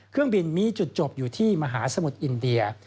เครื่องบินมีจุดจบอยู่ที่มหาสมุทรอินเดีย